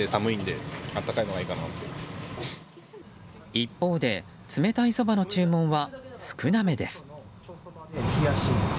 一方で冷たいそばの注文は少なめです。